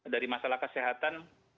dari masalah kesehatan